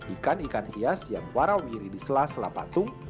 ikan ikan hias yang warau wiri diselah selah patung